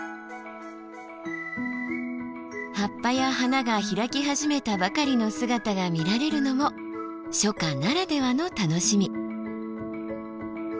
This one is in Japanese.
葉っぱや花が開き始めたばかりの姿が見られるのも初夏ならではの楽しみ。